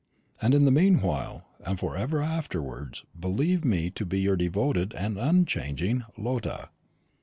and in the meanwhile, and for ever afterwards, believe me to be your devoted and unchanging LOTTA."